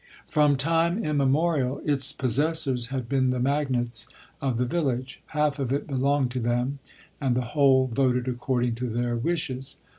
3 From time immemorial, its possessors had been the magnates of the village; half of it belonged to them, and the whole voted according to their wishes.